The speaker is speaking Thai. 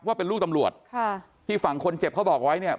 ว่าเป็นลูกตำรวจที่ฝั่งคนเจ็บเขาบอกไว้